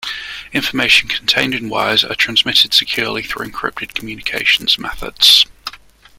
Information contained in wires are transmitted securely through encrypted communications methods.